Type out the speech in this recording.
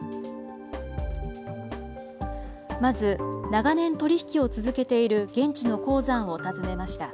まず、長年取り引きを続けている現地の鉱山を訪ねました。